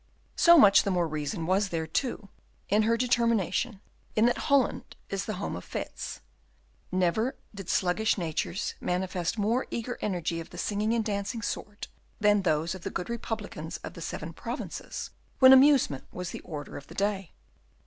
So much the more reason was there, too, in her determination, in that Holland is the home of fetes; never did sluggish natures manifest more eager energy of the singing and dancing sort than those of the good republicans of the Seven Provinces when amusement was the order of the day.